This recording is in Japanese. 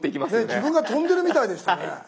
自分が飛んでるみたいでしたね。